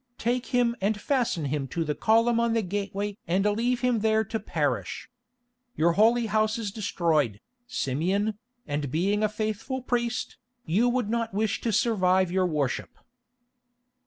Take him and fasten him to the column on the gateway and leave him there to perish. Your Holy House is destroyed, Simeon, and being a faithful priest, you would not wish to survive your worship."